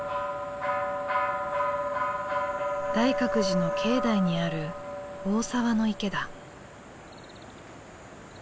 大覚寺の境内にある大沢池だ。